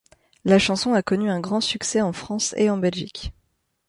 La chanson a connu un grand succès en France et en Belgique.